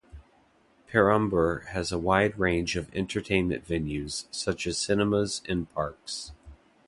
Perambur has a wide range of entertainment venues such as cinemas and parks.